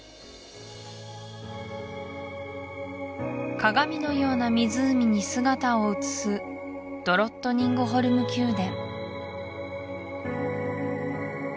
鏡のような湖に姿を映すドロットニングホルム宮殿